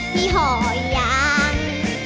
พี่พ่อยัง